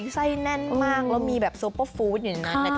ไส้แน่นมากแล้วมีแบบซุปเปอร์ฟู้ดอยู่ในนั้น